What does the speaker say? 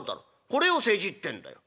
これを世辞ってんだよ」。